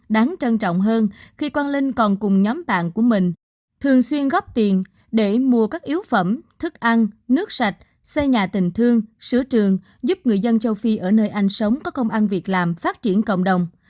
đáng trân trọng hơn khi quang linh còn cùng nhóm bạn của mình thường xuyên góp tiền để mua các yếu phẩm thức ăn nước sạch xây nhà tình thương sửa trường giúp người dân châu phi ở nơi anh sống có công ăn việc làm phát triển cộng đồng